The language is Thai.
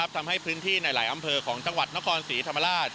ทำให้พื้นที่ในหลายอำเภอของจังหวัดนครศรีธรรมราช